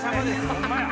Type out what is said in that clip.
ホンマや。